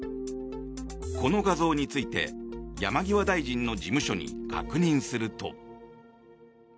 この画像について山際大臣の事務所に確認すると。